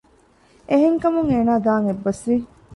އެހެންކަމުން އޭނާ ދާން އެއްބަސްވި